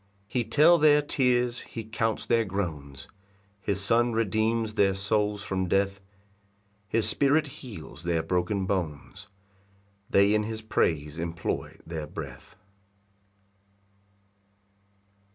5 He tell their tears, he counts their groans, His Son redeems their souls from death; His Spirit heals their broken bones, They in his praise employ their breath.